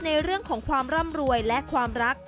ในเรื่องของความร่ำรวยและความรัก